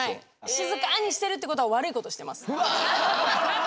静かにしてるってことは悪いことをしてます。